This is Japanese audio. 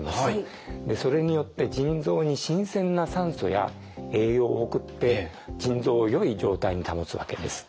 それによって腎臓に新鮮な酸素や栄養を送って腎臓をよい状態に保つわけです。